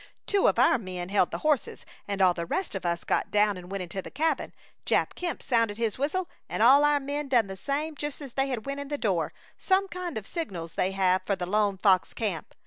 "Two of our men held the horses, and all the rest of us got down and went into the cabin. Jap Kemp, sounded his whistle and all our men done the same just as they went in the door some kind of signals they have for the Lone Fox Camp!